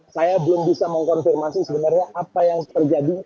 saya belum bisa mengkonfirmasi sebenarnya apa yang terjadi